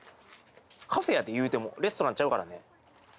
カフェやで言うてもレストランちゃうからね